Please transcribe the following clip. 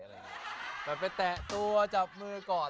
ไปแตะตัวจับมือก่อน